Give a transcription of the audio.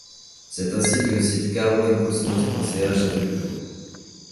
C'est ainsi que le site CaroAndCosmos.ch a vu le jour.